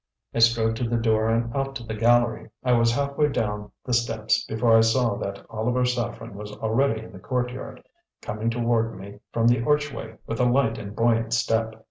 I strode to the door and out to the gallery. I was half way down the steps before I saw that Oliver Saffren was already in the courtyard, coming toward me from the archway with a light and buoyant step.